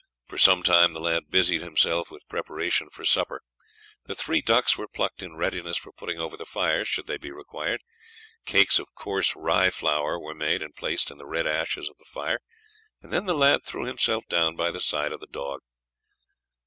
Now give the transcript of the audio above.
For some time the lad busied himself with preparation for supper. The three ducks were plucked in readiness for putting over the fire should they be required; cakes of coarse rye flour were made and placed in the red ashes of the fire; and then the lad threw himself down by the side of the dog.